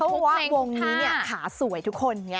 เพราะว่าวงนี้ขาสวยทุกคน